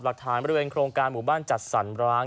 หลักฐานบริเวณโครงการหมู่บ้านจัดสรรร้าง